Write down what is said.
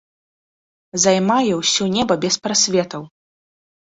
Займае ўсё неба без прасветаў.